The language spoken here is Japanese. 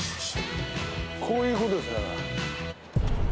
こういうことですだから。